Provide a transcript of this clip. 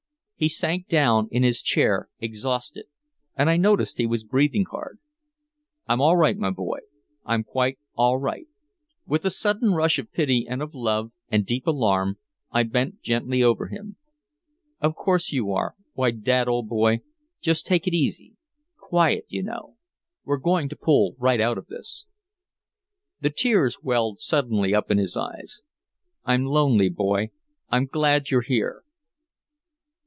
He sank down in his chair exhausted, and I noticed he was breathing hard. "I'm all right, my boy, I'm quite all right " With a sudden rush of pity and of love and deep alarm, I bent gently over him: "Of course you are why Dad, old boy just take it easy quiet, you know we're going to pull right out of this " The tears welled suddenly up in his eyes: "I'm lonely, boy I'm glad you're here!"